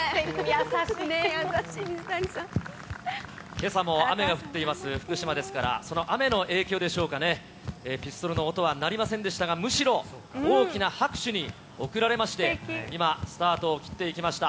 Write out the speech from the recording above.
けさも雨が降っています福島ですから、その雨の影響でしょうかね、ピストルの音は鳴りませんでしたが、むしろ、大きな拍手に送られまして、今、スタートを切っていきました。